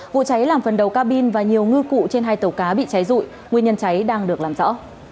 vụ cháy làm phần đầu cabin và nhiều ngư cụ trên hai tàu cá bị cháy rụi nguyên nhân cháy đang được làm rõ